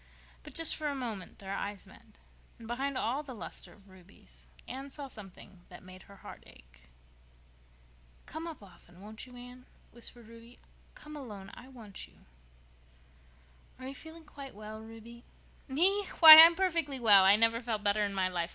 But just for a moment their eyes met, and, behind all the luster of Ruby's, Anne saw something that made her heart ache. "Come up often, won't you, Anne?" whispered Ruby. "Come alone—I want you." "Are you feeling quite well, Ruby?" "Me! Why, I'm perfectly well. I never felt better in my life.